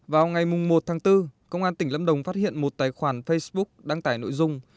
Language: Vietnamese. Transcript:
vào ngày một tháng bốn công an tỉnh lâm đồng phát hiện một tài khoản facebook đăng tải nội dung